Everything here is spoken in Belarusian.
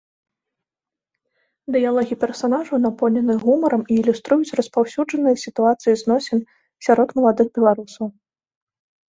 Дыялогі персанажаў напоўнены гумарам і ілюструюць распаўсюджаныя сітуацыі зносін сярод маладых беларусаў.